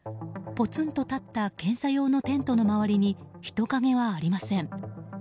ぽつんと立った検査用のテントの周りに人影はありません。